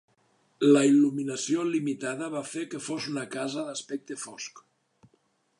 La il·luminació limitada va fer que fos una casa d'aspecte fosc.